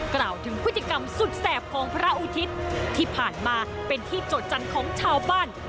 กล่าวถึงพฤติกรรมสุดแสบของพระอุทิศที่ผ่านมาเป็นที่โจทย์จันทร์ของชาวบ้าน